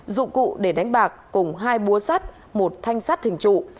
dụng cụ để đánh bạc cùng hai búa sắt một thanh sắt hình trụ